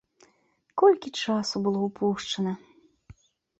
Колькі часу было ўпушчана!